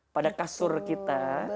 pada kasur kita